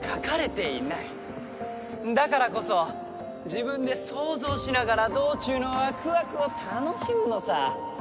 だからこそ自分で想像しながら道中のワクワクを楽しむのさ。